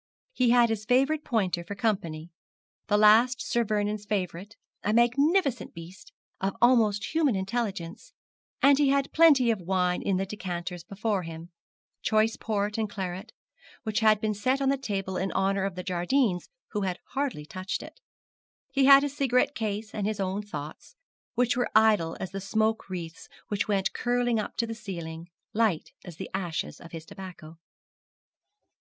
He had his favourite pointer for company the last Sir Vernon's favourite, a magnificent beast, and of almost human intelligence, and he had plenty of wine in the decanters before him choice port and claret, which had been set on the table in honour of the Jardines, who had hardly touched it. He had his cigarette case and his own thoughts, which were idle as the smoke wreaths which went curling up to the ceiling, light as the ashes of his tobacco.